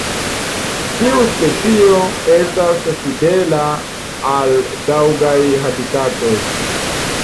Tiu specio estas fidela al taŭgaj habitatoj.